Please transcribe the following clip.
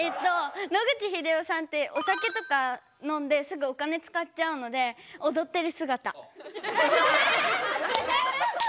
野口英世さんってお酒とかのんですぐお金つかっちゃうのでおどってるすがた。